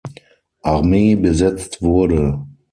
Armee besetzt wurde.